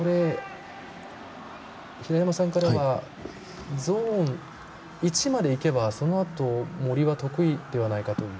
平山さんからはゾーン１までいけばそのあと森は得意ではないかという。